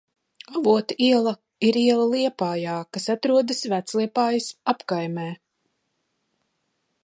Avotu iela ir iela Liepājā, kas atrodas Vecliepājas apkaimē.